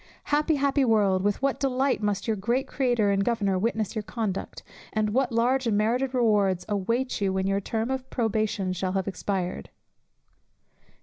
"Happy, happy world, with what delight must your great Creator and Governor witness your conduct, and what large and merited rewards await you when your term of probation shall have expired.